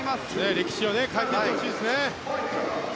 歴史を変えていってほしいですね。